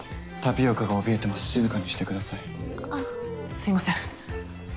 すいません。